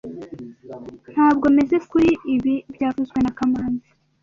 T Ntabwo meze kuri ibi byavuzwe na kamanzi